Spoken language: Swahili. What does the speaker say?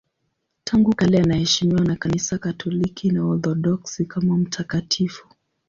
Tangu kale anaheshimiwa na Kanisa Katoliki na Waorthodoksi kama mtakatifu.